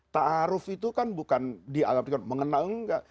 ta'aruf itu kan bukan di alam tuhan mengenal enggak